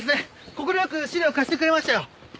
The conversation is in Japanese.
快く資料を貸してくれましたよ。